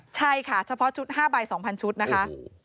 ใช่ค่ะเฉพาะชุด๕ใบ๒๐๐ชุดนะคะ